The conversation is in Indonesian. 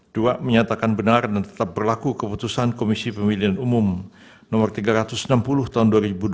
dua menyatakan benar dan tetap berlaku keputusan komisi pemilihan umum no tiga ratus enam puluh tahun dua ribu dua puluh